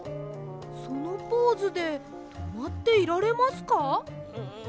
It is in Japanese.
そのポーズでとまっていられますか？